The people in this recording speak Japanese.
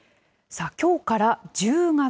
さあ、きょうから１０月。